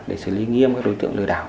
để xử lý nghiêm các đối tượng lừa đảo